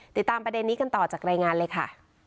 ติดตามประเด็นนี้กันต่อจากรายงานเลยค่ะ